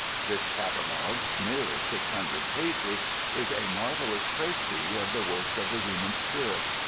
This catalogue (nearly 600 pages) is a marvellous précis of the works of the human spirit.